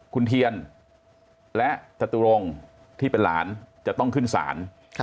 คุณเทียนและจตุรงค์ที่เป็นหลานจะต้องขึ้นศาล